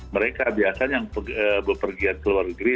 mereka biasanya yang berpergian ke luar negeri